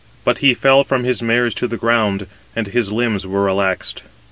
But he fell from his mares on the ground, and his limbs were relaxed.